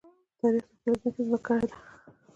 تاریخ د خپلې ځمکې زمکړه ده.